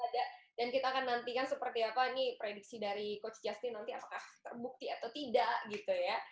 dan kita akan nantikan seperti apa nih prediksi dari coach justin nanti apakah terbukti atau tidak gitu ya